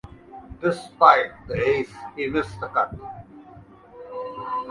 Despite the ace he missed the cut.